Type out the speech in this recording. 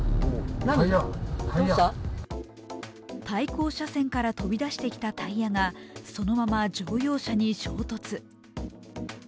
対向車線から飛び出してきたタイヤがそのまま乗用車に衝突。